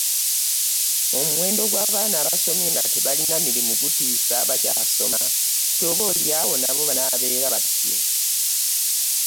omuwendo gw'abaana abasomye nga tebalina mirimu gutisiza abakyasoma nti obo olyawo nabo banabeera batyo